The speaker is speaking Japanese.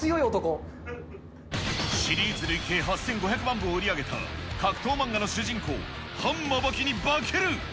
シリーズ累計８５００万部を売り上げた格闘漫画の主人公、範馬刃牙に化ける。